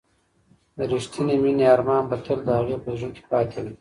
د ریښتینې مینې ارمان به تل د هغې په زړه کې پاتې وي.